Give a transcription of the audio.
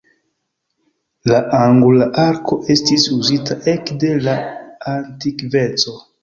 La angula arko estis uzita ekde la antikveco.